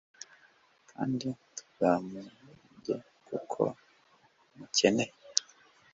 kandi ntuzamuhunge kuko umukeneye